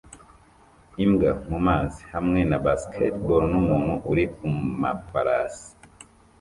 Imbwa mumazi hamwe na basketball numuntu uri kumafarasi